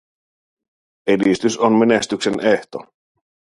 Edistys on menestyksen ehto.